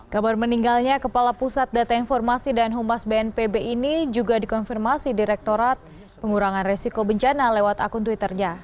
kabar meninggalnya kepala pusat data informasi dan humas bnpb ini juga dikonfirmasi direktorat pengurangan resiko bencana lewat akun twitternya